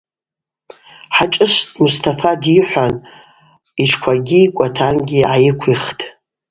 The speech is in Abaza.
Хӏашӏышвт Мстафа дйыхӏван йтшквагьи йкӏватангьи гӏайыквихтӏ.